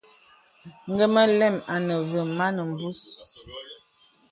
Nge mə lə̀m āne və mān mbūs.